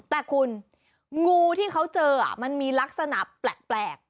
แต่คุณงูที่เขาเจอมันมีลักษณะแปลก